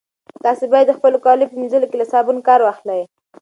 تاسي باید د خپلو کاليو په مینځلو کې له صابون کار واخلئ.